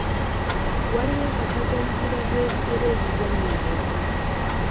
Waliwo empaka z'omupiira gw'ebigere ezizannyibwa.